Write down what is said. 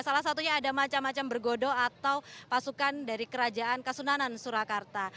salah satunya ada macam macam bergodo atau pasukan dari kerajaan kasunanan surakarta